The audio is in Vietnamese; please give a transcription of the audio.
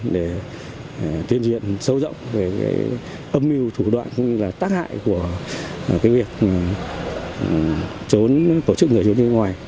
để tuyên truyền sâu rộng về âm mưu thủ đoạn cũng như là tác hại của việc tổ chức người xuống nước ngoài